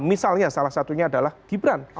misalnya salah satunya adalah gibran